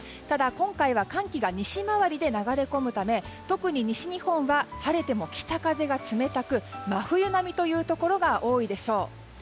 ただ、今回は寒気が西回りで流れ込むため特に西日本は晴れても北風が冷たく真冬並みというところが多いでしょう。